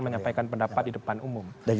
menyampaikan pendapat di depan umum